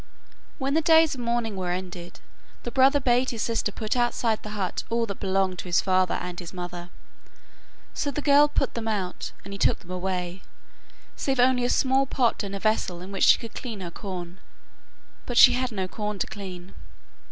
When the days of mourning were ended, the brother bade his sister put outside the hut all that belonged to his father and his mother. So the girl put them out, and he took them away, save only a small pot and a vessel in which she could clean her corn. But she had no corn to clean.